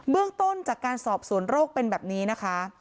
เรื่องต้นจากการสอบสวนโรคเป็นแบบนี้นะคะ